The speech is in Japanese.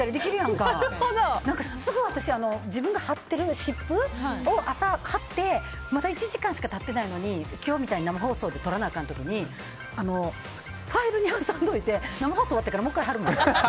すぐ私自分が貼ってる湿布を朝貼ってまだ１時間しか貼ってないのに今日みたいに生放送で取らなあかん時にファイルに挟んでおいて生放送終わってからもう１回貼るもん。